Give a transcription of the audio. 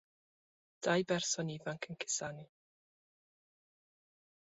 Dau berson ifanc yn cusanu.